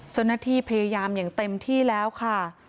เจ้าหน้าที่พยายามอย่างเต็มที่แล้วค่ะ